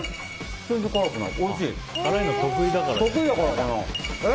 全然辛くない。